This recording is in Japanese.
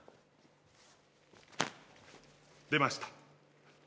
出ました。